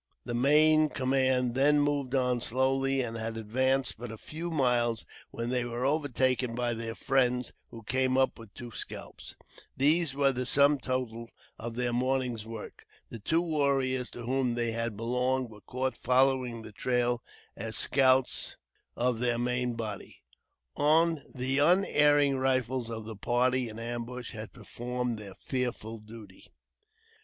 The main command then moved on slowly, and had advanced but a few miles when they were overtaken by their friends, who came up with two scalps. These were the sum total of their morning's work. The two warriors to whom they had belonged were caught following the trail as scouts of their main body. The unerring rifles of the party in ambush had performed their fearful duty.